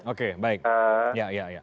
oke baik ya ya ya